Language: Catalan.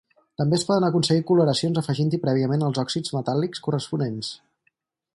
També es poden aconseguir coloracions afegint-hi prèviament els òxids metàl·lics corresponents.